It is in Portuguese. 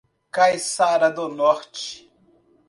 Caiçara do Norte